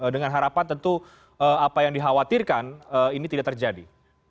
dengan harapan tentu apa yang dikhawatirkan ini tidak terjadi